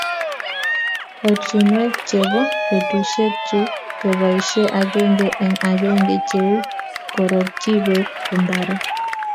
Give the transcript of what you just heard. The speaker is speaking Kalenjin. Ortinwek che bo betusiechuk keboisie agenge eng agenge che uu keronchii beek mbaree.